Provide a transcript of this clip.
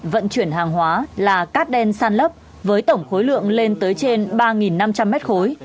vận chuyển hàng hóa là cát đen san lấp với tổng khối lượng lên tới trên ba năm trăm linh mét khối